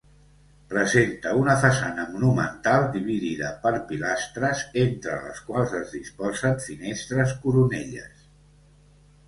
Presenta una façana monumental dividida per pilastres entre les quals es disposen finestres coronelles.